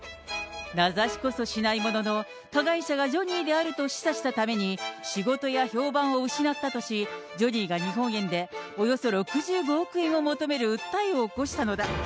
名指しこそしないものの、加害者がジョニーであると示唆したために、仕事や評判を失ったとし、ジョニーが日本円でおよそ６５億円を求める訴えを起こしたのだ。